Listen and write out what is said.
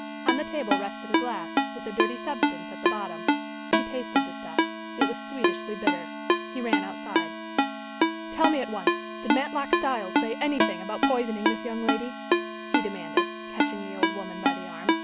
On the table rested a glass, with a dirty substance at the bottom. He tasted the stuff. It was sweetishly bitter. He ran outside. "Tell me at once, did Matlock Styles say anything about poisoning this young lady?" he demanded, catching the old woman by the arm.